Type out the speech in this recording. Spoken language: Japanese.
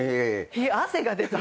汗が出た！